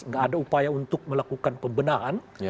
nggak ada upaya untuk melakukan pembenahan